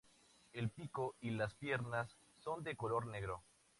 El pico y las piernas son de color negro.